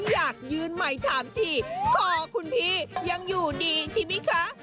อยากยืนใหม่ถามทีคอคุณพี่ยังอยู่ดีใช่ไหมคะ